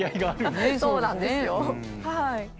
そうなんですよ。